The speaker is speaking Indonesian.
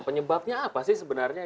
penyebabnya apa sih sebenarnya